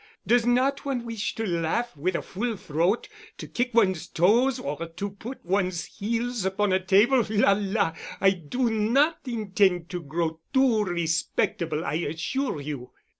Does not one wish to laugh with a full throat, to kick one's toes or to put one's heels upon a table? La la! I do not intend to grow too respectable, I assure you."